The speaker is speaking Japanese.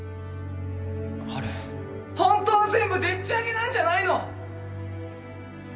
アル本当は全部でっち上げなんじゃないの！